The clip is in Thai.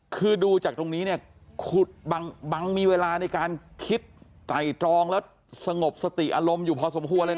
คือดูจากตรงนี้เนี่ยบางมีเวลาในการคิดไตรตรองแล้วสงบสติอารมณ์อยู่พอสมควรเลยนะ